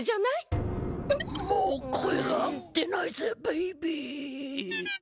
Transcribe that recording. もう声が出ないぜベイビー。